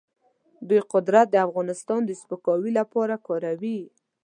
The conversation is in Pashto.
دوی قدرت د افغانستان د سپکاوي لپاره کاروي.